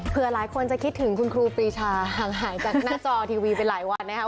เพื่อหลายคนจะคิดถึงคุณครูปรีชาห่างหายจากหน้าจอทีวีไปหลายวันนะครับ